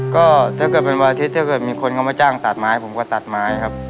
ก็ถ้าเกิดเป็นวันอาทิตย์ถ้าเกิดมีคนเขามาจ้างตัดไม้ผมก็ตัดไม้ครับ